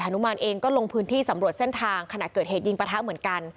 นุมานเองก็ลงพื้นที่สำรวจเส้นทางขณะเกิดเหตุยิงประทะเหมือนกัน